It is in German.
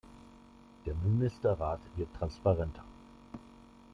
Der Ministerrat wird transparenter.